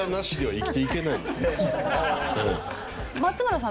松村さん